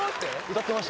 歌ってました